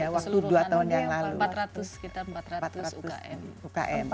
waktu dua tahun yang lalu